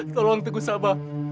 tolong teguh sabah